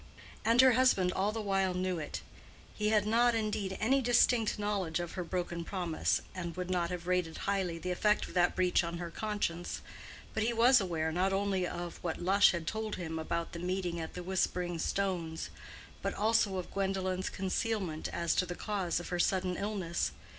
And her husband all the while knew it. He had not, indeed, any distinct knowledge of her broken promise, and would not have rated highly the effect of that breach on her conscience; but he was aware not only of what Lush had told him about the meeting at the Whispering Stones, but also of Gwendolen's concealment as to the cause of her sudden illness.